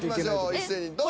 一斉にどうぞ！